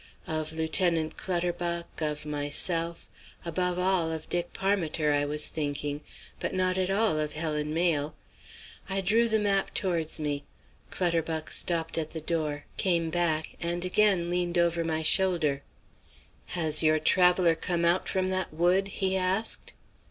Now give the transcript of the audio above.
Of Lieutenant Clutterbuck, of myself, above all of Dick Parmiter, I was thinking, but not at all of Helen Mayle. I drew the map towards me. Clutterbuck stopped at the door, came back and again leaned over my shoulder. "Has your traveller come out from that wood?" he asked.